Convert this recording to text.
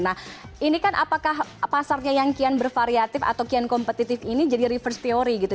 nah ini kan apakah pasarnya yang kian bervariatif atau kian kompetitif ini jadi reverse teori gitu